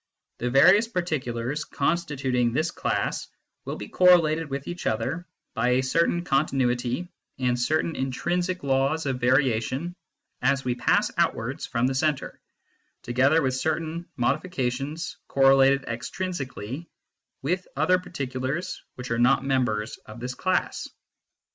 The various particulars constituting this class will be correlated with each other by a certain continuity and certain intrinsic laws of variation as we pass out wards from the centre, together with certain modifica tions correlated extrinsically with other particulars which are not members of this class.